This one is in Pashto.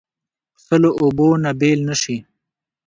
پسه له اوبو نه بېل نه شي.